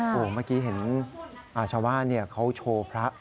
โอ้โหเมื่อกี้เห็นชาวบ้านเขาโชว์พระ